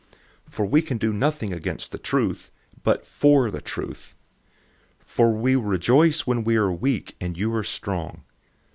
013:008 For we can do nothing against the truth, but for the truth. 013:009 For we rejoice when we are weak and you are strong.